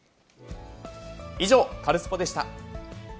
以上、カルスポっ！でした。